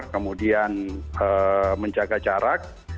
kemudian menjaga jarak